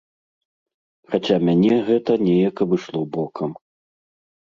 Хаця мяне гэта неяк абышло бокам.